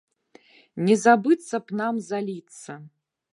Не забыцца б нам заліцца!